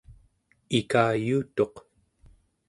ikayuutuq